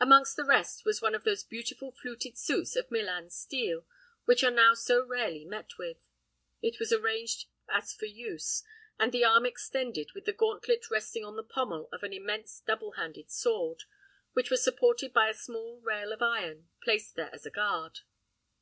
Amongst the rest was one of those beautiful fluted suits of Milan steel, which are now so rarely met with. It was arranged as for use, and the arm extended, with the gauntlet resting on the pommel of an immense double handed sword, which was supported by a small rail of iron, placed there as a guard.